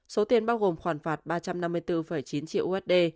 số tiền bao gồm khoản phạt ba trăm năm mươi bốn chín triệu usd